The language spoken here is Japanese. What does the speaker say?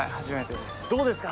どうですか？